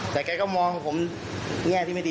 แต่แกก็มองผมในแง่ที่ไม่ดี